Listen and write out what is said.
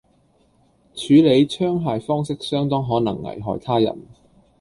處理槍械方式相當可能危害他人